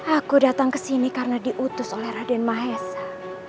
aku datang kesini karena diutus oleh raden mahesa